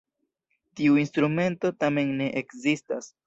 Tiu instrumento tamen ne ekzistas.